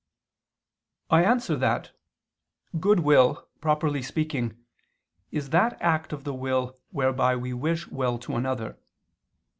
I answer that, Goodwill properly speaking is that act of the will whereby we wish well to another.